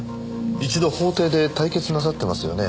一度法廷で対決なさってますよね？